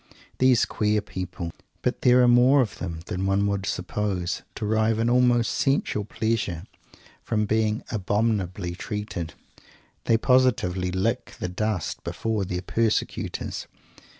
These queer people but there are more of them than one would suppose derive an almost sensual pleasure from being abominably treated. They positively lick the dust before their persecutors.